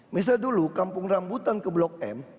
misalnya dulu kampung rambutan ke blok m